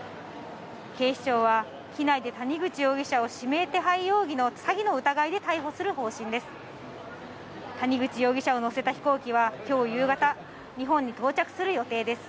警視庁は機内で谷口容疑者を指名手配容疑の詐欺の疑いで逮捕する方針です。